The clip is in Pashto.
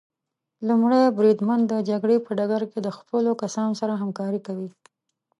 لومړی بریدمن د جګړې په ډګر کې د خپلو کسانو سره همکاري کوي.